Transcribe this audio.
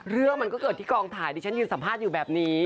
เรื่องมันก็เกิดที่กองถ่ายดิฉันยืนสัมภาษณ์อยู่แบบนี้